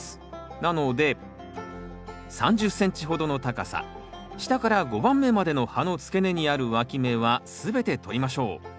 なので３０ｃｍほどの高さ下から５番目までの葉の付け根にあるわき芽は全てとりましょう。